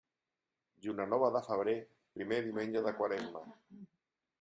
Lluna nova de febrer, primer diumenge de quaresma.